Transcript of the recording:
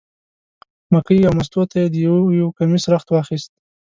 مکۍ او مستو ته یې د یو یو کمیس رخت واخیست.